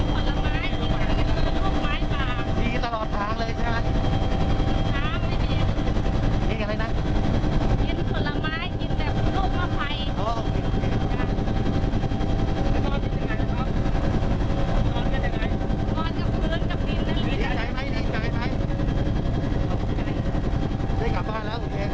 ได้กลับบ้านแล้วสุดยอด